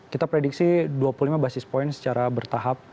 kita prediksi dua puluh lima basis point secara bertahap